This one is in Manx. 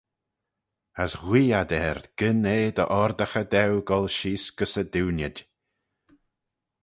As ghuee ad er gyn eh dy oardaghey daue goll sheese gys y diunid.